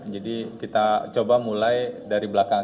jadi kita coba mulai dari belakang